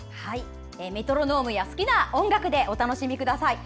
メトロノームや好きな音楽でお楽しみください。